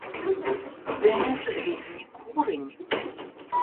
Де ж рідні курені?